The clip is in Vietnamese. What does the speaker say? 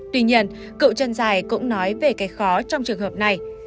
tuy nhiên cựu trân giài cũng nói về cái khó trong trường hợp này